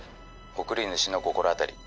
送り主の心当たり。